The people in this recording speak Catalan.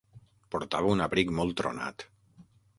Portava un abric molt tronat.